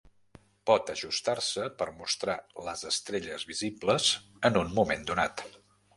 Pot ajustar-se per mostrar les estrelles visibles en un moment donat.